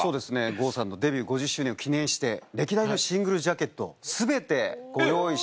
郷さんのデビュー５０周年を記念して歴代のシングルジャケット全てご用意しました。